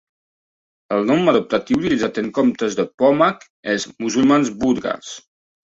El nom adoptat i utilitzat en comptes de Pomak és "musulmans búlgars".